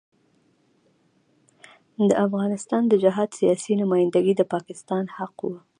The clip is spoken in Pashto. د افغانستان د جهاد سیاسي نمايندګي د پاکستان حق وو.